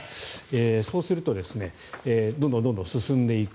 そうするとどんどん進んでいく。